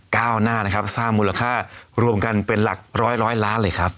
ก้าวหน้านะครับสร้างมูลค่ารวมกันเป็นหลักร้อยร้อยล้านเลยครับ